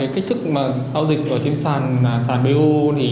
cách thức giao dịch trên sàn b o